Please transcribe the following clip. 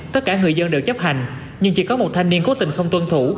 tất cả người dân đều chấp hành nhưng chỉ có một thanh niên cố tình không tuân thủ